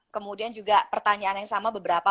kemudian juga pertanyaan yang sama beberapa